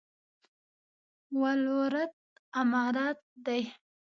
ولورت عمارت دی؟